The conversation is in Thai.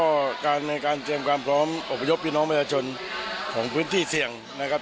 ก็การในการเตรียมความพร้อมอบพยพพี่น้องประชาชนของพื้นที่เสี่ยงนะครับ